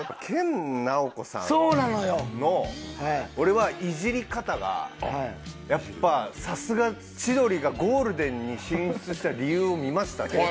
の俺はイジり方がやっぱさすが千鳥がゴールデンに進出した理由を見ましたね。